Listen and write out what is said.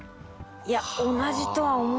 いや同じとは思えない。